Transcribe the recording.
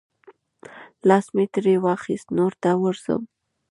لاس مې ترې واخیست، نور نه ورځم.